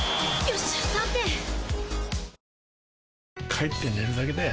帰って寝るだけだよ